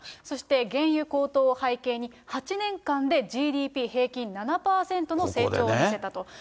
そして、原油高騰を背景に、８年間でＧＤＰ平均７％の成長を見せたと。